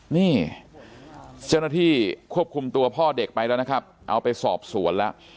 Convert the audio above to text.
นี่เจ้าหน้าที่ควบคุมตัวพ่อเด็กไปแล้วนะครับเอาไปสอบสวนแล้ว